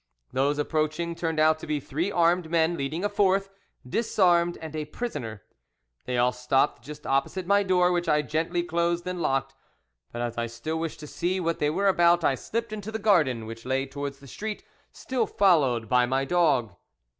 Those approaching turned out to be three armed men leading a fourth, disarmed and a prisoner. They all stopped just opposite my door, which I gently closed and locked, but as I still wished to see what they were about, I slipped into the garden, which lay towards the street, still followed by my dog.